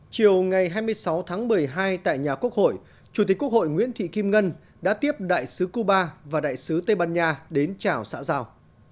chiều ngày hai mươi sáu tháng một mươi hai tại nhà quốc hội chủ tịch quốc hội nguyễn thị kim ngân đã tiếp đại sứ cuba và đại sứ tây ban nha đến chào xã giao